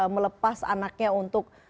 melepas anaknya untuk